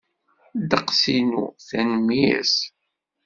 Ddeqs-inu, tanemmirt.